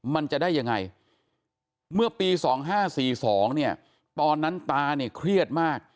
มันจะได้ยังไงเมื่อปี๒๕๔๒เนี่ยตอนนั้นตาเนี่ยเครียดมาก